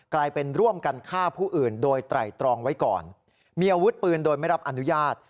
กลายเป็นร่วมกันฆ่าผู้อื่นโดยไตรตรองไว้ก่อนมีอาวุธปืนโดยไม่รับอนุญาต